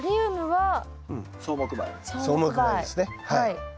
はい。